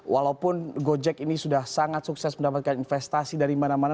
walaupun gojek ini sudah sangat sukses mendapatkan investasi dari mana mana